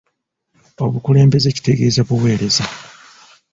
Obukulebeze kitegeeza buweereza.